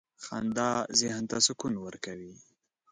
• خندا ذهن ته سکون ورکوي.